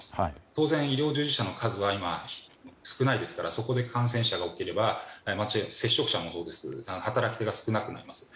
当然、医療従事者の数は少ないですからそこで感染者が起きれば間違いなく接触者のほうですが働き手が少なくなります。